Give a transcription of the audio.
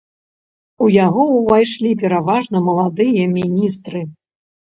У яго ўвайшлі пераважна маладыя міністры.